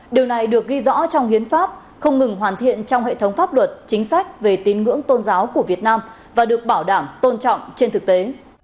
điều này được ghi rõ trong hiến pháp không ngừng hoàn thiện trong hệ thống pháp luật chính sách về tín ngưỡng tôn giáo của việt nam và được bảo đảm tôn trọng trên thực tế